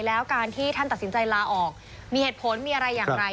แล้วการที่ท่านตัดสินใจลาออกมีเหตุผลมีอะไรอย่างไร